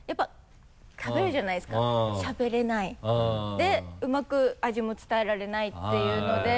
でうまく味も伝えられないっていうので。